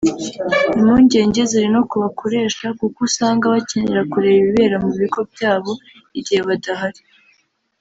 Impungenge ziri no ku bakoresha kuko usanga bakenera kureba ibibera mu bigo byabo igihe badahari